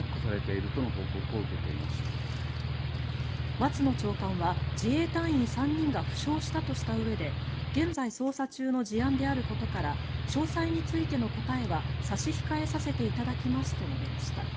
松野長官は自衛隊員３人が負傷したとしたうえで現在捜査中の事案であることから詳細についての答えは差し控えさせていただきますと述べました。